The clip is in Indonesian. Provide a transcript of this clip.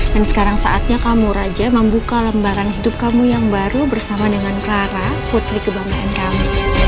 dan sekarang saatnya kamu raja membuka lembaran hidup kamu yang baru bersama dengan clara putri kebanggaan kami